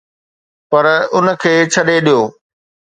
پر ان کي ڇڏي ڏيو.